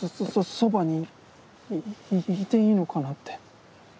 そばにいいいいていいのかなって。